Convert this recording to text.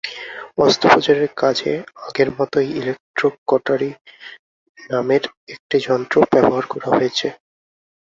অস্ত্রোপচারের কাজে আগের মতোই ইলেকট্রো কটারি নামের একটি যন্ত্র ব্যবহার করা হয়েছে।